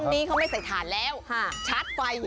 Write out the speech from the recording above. รุ่นนี้เขาไม่ใส่ฐานแล้วชัดไป